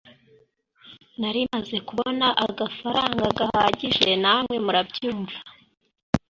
nari maze kubona agafaranga gahagije namwe murabyumva